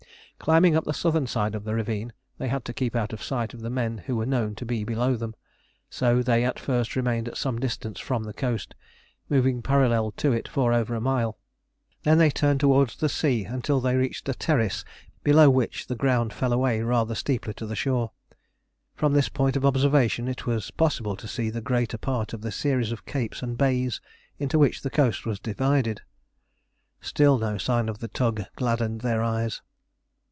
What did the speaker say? Climbing up the southern side of the ravine, they had to keep out of sight of the men who were known to be below them, so they at first remained at some distance from the coast, moving parallel to it for over a mile. They then turned towards the sea until they reached a terrace below which the ground fell away rather steeply to the shore. From this point of observation it was possible to see the greater part of the series of capes and bays into which the coast was divided. Still no sign of the tug gladdened their eyes.